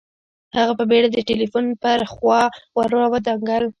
هغه په بېړه د ټلیفون پر خوا را ودانګل